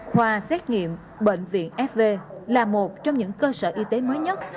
khoa xét nghiệm bệnh viện fv là một trong những cơ sở y tế mới nhất